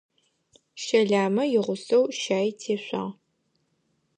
Щэламэ игъусэу щаи тешъуагъ.